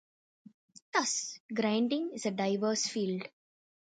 Thus, grinding is a diverse field.